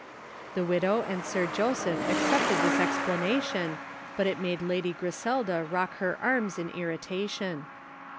The Widow and Sir Joseph accepted this explanation, but it made Lady Griselda rock her arms in irritation.